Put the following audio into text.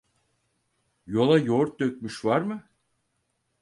Yola yoğurt dökmüş var mı?